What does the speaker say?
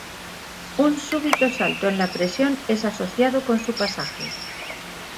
Un súbito salto en la presión es asociado con su pasaje.